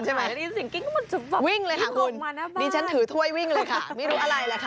ได้ยินเสียงกิ๊กวิ่งเลยค่ะคุณดิฉันถือถ้วยวิ่งเลยค่ะไม่รู้อะไรแหละค่ะ